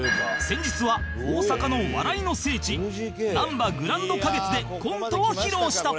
先日は大阪の笑いの聖地なんばグランド花月でコントを披露した